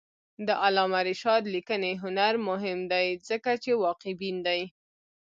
د علامه رشاد لیکنی هنر مهم دی ځکه چې واقعبین دی.